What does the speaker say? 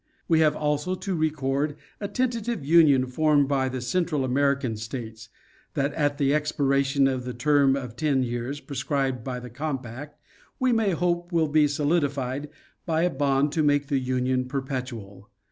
We have also to record a tentative union formed by the Central American states, that at the expiration of the term of ten years prescribed by the compact, we may hope will be solidified by a bond to make the union perpetual.